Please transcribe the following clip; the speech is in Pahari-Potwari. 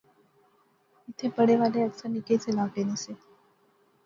ایتھیں پڑھے والے اکثر نکے اس علاقے نے سے